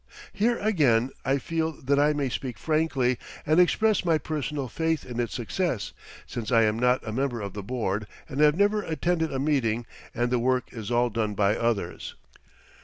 Here, again, I feel that I may speak frankly and express my personal faith in its success, since I am not a member of the board, and have never attended a meeting, and the work is all done by others.